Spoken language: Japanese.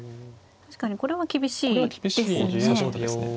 確かにこれは厳しいですね。